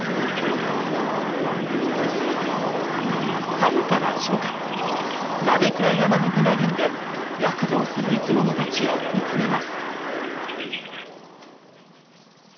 春から初夏鍋倉山のブナ林で躍動する生き物たちを見つめます。